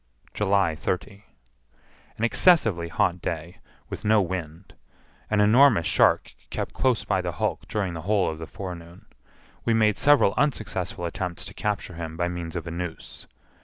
July 30. An excessively hot day, with no wind. An enormous shark kept close by the hulk during the whole of the forenoon. We made several unsuccessful attempts to capture him by means of a noose.